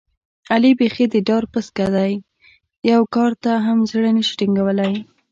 علي بیخي د ډار پسکه دی، یوه کار ته هم زړه نشي ټینګولی.